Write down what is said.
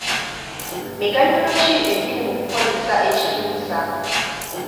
Miganyulo ki egiri mu kukozesa ekigimusa?